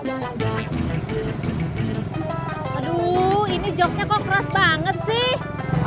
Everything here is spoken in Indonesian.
aduh ini jognya kok keras banget sih